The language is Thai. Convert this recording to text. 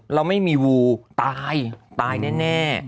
เราไม่มีวูลปลายปลายแน่